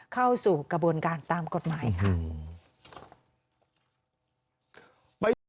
เข้าสู่กระบวนการตามกฎหมายค่ะ